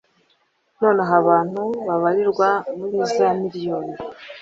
Nanone abantu babarirwa muri za miriyoni